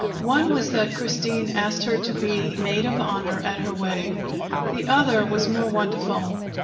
One was that Christine asked her to be maid of honor at her wedding. The other was more wonderful.